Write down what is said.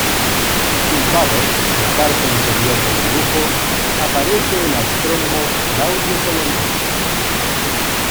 Tumbado, en la parte inferior del dibujo, aparece el astrónomo Claudio Ptolomeo.